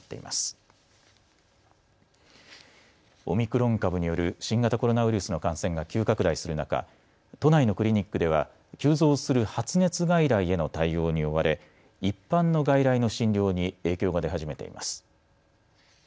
オミクロン株による新型コロナウイルスの感染が急拡大する中、都内のクリニックでは急増する発熱外来への対応に追われ一般の外来の診療に影響が出始めています。